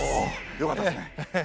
よかったですね。